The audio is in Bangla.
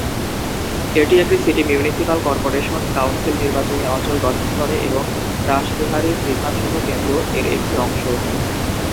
এটি একটি সিটি মিউনিসিপাল কর্পোরেশন কাউন্সিল নির্বাচনী অঞ্চল গঠন করে এবং রাসবিহারী বিধানসভা কেন্দ্র এর একটি অংশ।